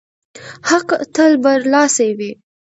حق تل برلاسی وي.